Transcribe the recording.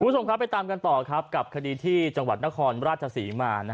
คุณผู้ชมครับไปตามกันต่อครับกับคดีที่จังหวัดนครราชศรีมา